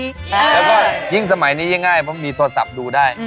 แล้วก็ยิ่งสมัยนี้ง่ายเพราะมีโทรศัพท์ดูได้